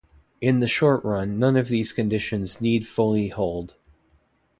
In the short run none of these conditions need fully hold.